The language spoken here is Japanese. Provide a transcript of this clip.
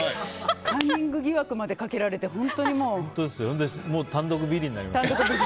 カンニング疑惑までかけられて単独ビリになりましたから。